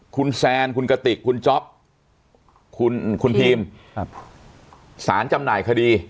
คุณแซนคุณกติกคุณจ๊อปคุณพีมสารจำหน่ายคดี